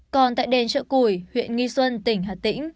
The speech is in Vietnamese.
còn tại đền chợ củi huyện nghi xuân tỉnh hà tĩnh